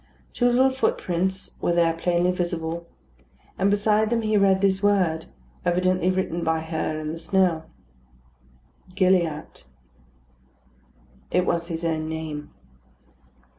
Two little footprints were there plainly visible; and beside them he read this word, evidently written by her in the snow "GILLIATT." It was his own name.